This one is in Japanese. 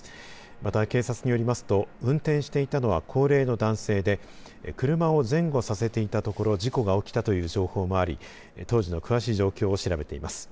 また、警察によりますと運転していたのは高齢の男性で車を前後させていたところ事故が起きたという情報もあり当時の詳しい状況を調べています。